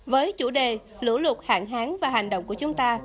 với chủ đề lũ lụt hạn hán và hành động của chúng ta